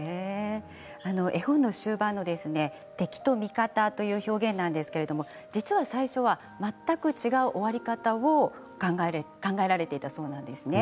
絵本の終盤の敵と味方という表現なんですけれども、実は最初は全く違う終わり方を考えられていたそうなんです。